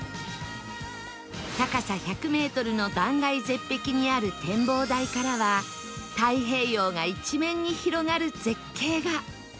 高さ１００メートルの断崖絶壁にある展望台からは太平洋が一面に広がる絶景が